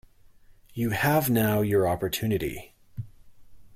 You have now your opportunity.